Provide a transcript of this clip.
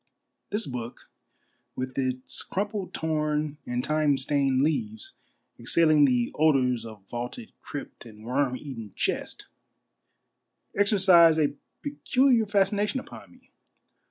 This book, with its crumpled, torn, and time stained leaves exhaling the odors of vaulted crypt and worm eaten chest, exer cised a peculiar fascination upon me.